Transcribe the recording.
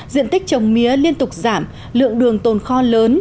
diện tích trồng mía liên tục giảm lượng đường tồn kho lớn